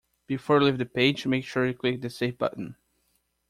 Before you leave the page, make sure you click the save button